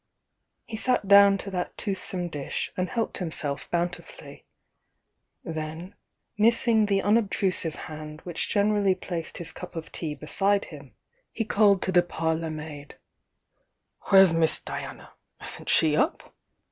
He sat down to that toothsome dish and helped himself bountifully ; then, missing the unob trusive hand which generally placed his cup of tea beside him, he called to the parlour maid: .in 00 THE YOUNG DIANA 'mere's Miss Diana? Isn't she up?"